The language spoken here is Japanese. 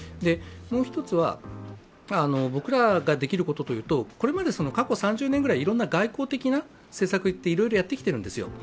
もう一つは、僕らができることというと、これまで過去３０年ぐらい外交的な政策っていろいろやってきているんですよ。